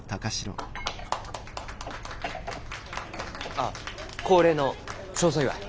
・あっ恒例の勝訴祝い？